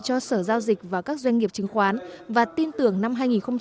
cho sở giao dịch và các doanh nghiệp chứng khoán và tin tưởng năm hai nghìn một mươi bảy